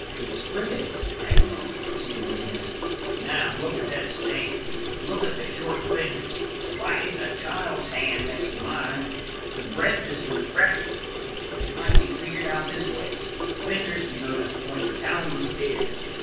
"It spreads," I acknowledged; seeing what he meant. "Now, look at that stain. Look at the short fingers–why, it's a child's hand beside mine. The breadth is from pressure. It might be figured out this way. The fingers, you notice, point down the stairs.